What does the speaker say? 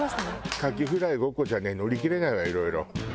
カキフライ５個じゃね乗り切れないわよいろいろ。